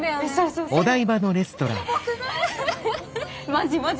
マジマジ。